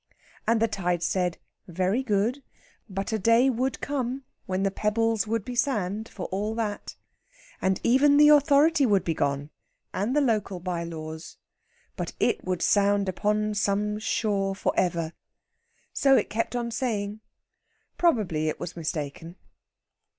And the tide said very good; but a day would come when the pebbles would be sand, for all that. And even the authority would be gone, and the local by laws. But it would sound upon some shore for ever. So it kept on saying. Probably it was mistaken.